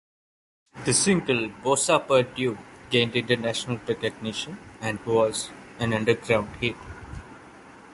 The single "Bossa Per Due" gained international recognition and was an underground hit.